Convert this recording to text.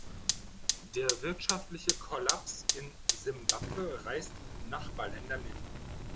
Der wirtschaftliche Kollaps in Simbabwe reißt Nachbarländer mit.